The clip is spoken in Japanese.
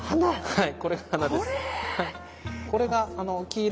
はい。